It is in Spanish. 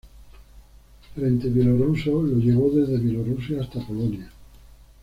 Frente Bielorruso, lo llevó desde Bielorrusia hasta Polonia.